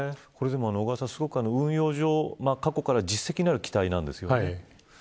小川さん、すごく運用上過去から実績なる機体なんですよね。